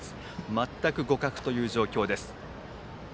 全く互角という状況です。